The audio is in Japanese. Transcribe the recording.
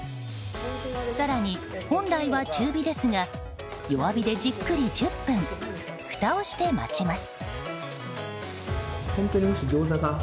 更に本来は中火ですが弱火でじっくり１０分ふたをして待ちます。